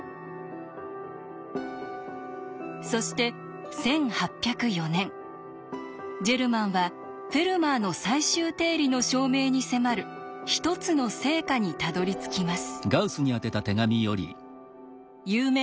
そして１８０４年ジェルマンは「フェルマーの最終定理」の証明に迫る一つの成果にたどりつきます。